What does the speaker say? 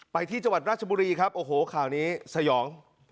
ที่จังหวัดราชบุรีครับโอ้โหข่าวนี้สยอง